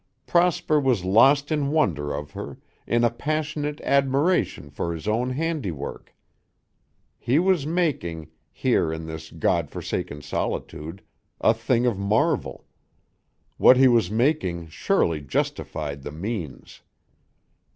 Prosper was lost in wonder of her, in a passionate admiration for his own handiwork. He was making, here in this God forsaken solitude, a thing of marvel; what he was making surely justified the means.